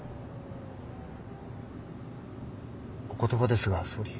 お言葉ですが総理。